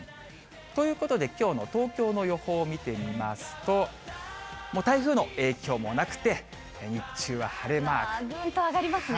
ということで、きょうの東京の予報を見てみますと、台風の影響もなくて、ぐーんと上がりますね。